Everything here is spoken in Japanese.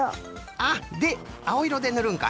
あっであおいろでぬるんか。